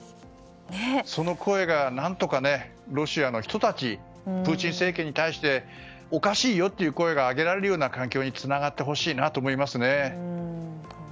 その声が何とかロシアの人たちプーチン政権に対しておかしいよという声が上げられるような環境につながってほしいなと思います。